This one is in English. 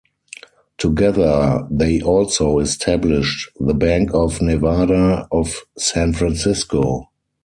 Together they also established the Bank of Nevada of San Francisco.